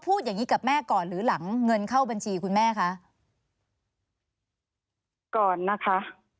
อย่างงี้กับแม่ก่อนหรือหลังเงินเข้าบัญชีคุณแม่คะก่อนนะคะ